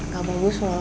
gak bagus loh